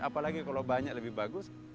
apalagi kalau banyak lebih bagus